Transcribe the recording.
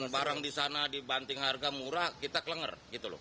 barang di sana dibanting harga murah kita kelengger